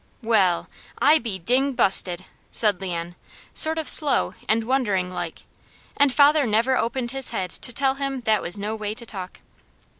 "Well, I be ding busted!" said Leon, sort of slow and wondering like, and father never opened his head to tell him that was no way to talk.